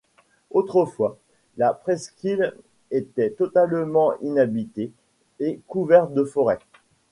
Autrefois, la presqu'ïle était totalement inhabitée et couverte de forêt.